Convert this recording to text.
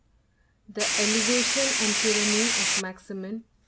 The Elevation And Tyranny Of Maximin.